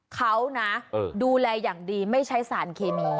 เขานะดูแลอย่างดีไม่ใช้สารเคมี